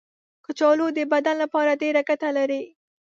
کچالو د بدن لپاره ډېره ګټه لري.